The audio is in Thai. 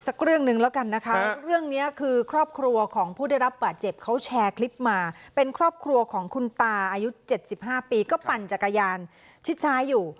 เรื่องหนึ่งแล้วกันนะคะเรื่องนี้คือครอบครัวของผู้ได้รับบาดเจ็บเขาแชร์คลิปมาเป็นครอบครัวของคุณตาอายุ๗๕ปีก็ปั่นจักรยานชิดซ้ายอยู่